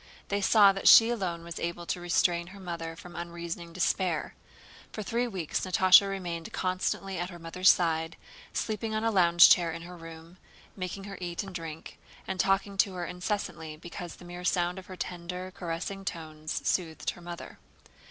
They saw that she alone was able to restrain her mother from unreasoning despair. For three weeks Natásha remained constantly at her mother's side, sleeping on a lounge chair in her room, making her eat and drink, and talking to her incessantly because the mere sound of her tender, caressing tones soothed her mother.